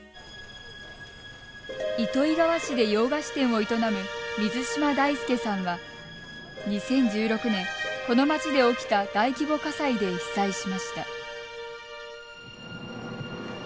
糸魚川市で洋菓子店を営む水島大輔さんは２０１６年、この町で起きた大規模火災で被災しました。